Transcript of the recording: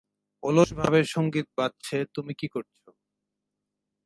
অলসভাবে সঙ্গীত বাজছে তুমি কি করছো?